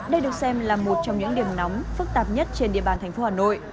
đây được xem là một trong những điểm nóng phức tạp nhất trên địa bàn thành phố hà nội